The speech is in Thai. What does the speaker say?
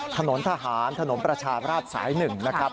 ถนนทหารถนนประชาราชสาย๑นะครับ